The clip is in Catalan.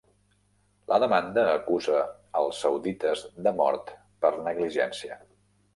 La demanda acusa els saudites de mort per negligència.